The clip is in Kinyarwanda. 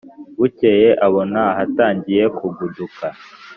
bukeye babona hatangiye kugunduka,